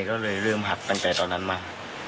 ก็เลยเริ่มหักตั้งแต่ตอนนั้นมา